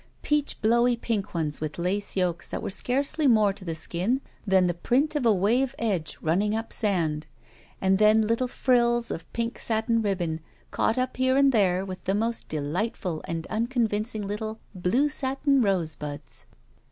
Peach blowy pink ones with lace yokes that were scarcely more to the skin than the print of a wave edge nmning up sand, and then little frills of pink . satin ribbon, caught up here and there with the most delightful and tmconvincing little blue satin rosebuds.